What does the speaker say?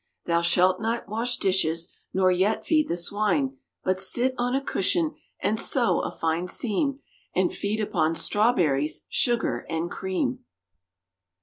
Thou shalt not wash dishes Nor yet feed the swine. But sit on a cushion And sew a fine seam, And feed upon strawberries Sugar and cream.